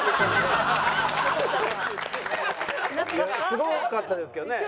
すごかったですけどね。